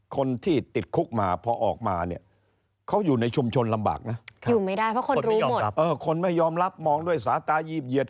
คนที่ติดคุกมา